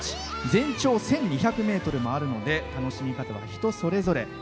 全長１２００ｍもあるので楽しみ方は、人それぞれ。